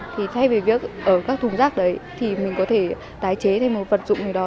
thì thay vì việc ở các thùng rác đấy thì mình có thể tái chế thêm một vật dụng gì đó